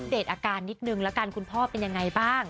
เดตอาการนิดนึงแล้วกันคุณพ่อเป็นยังไงบ้าง